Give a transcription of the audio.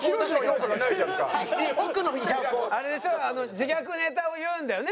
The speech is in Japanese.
自虐ネタを言うんだよね？